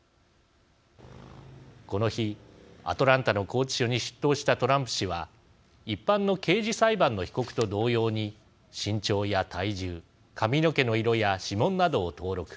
この日、アトランタの拘置所に出頭したトランプ氏は一般の刑事裁判の被告と同様に身長や体重髪の毛の色や指紋などを登録。